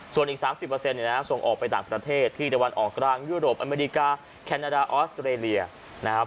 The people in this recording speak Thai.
ส่วนอีก๓๐ส่งออกไปต่างประเทศที่ตะวันออกกลางยุโรปอเมริกาแคนาดาออสเตรเลียนะครับ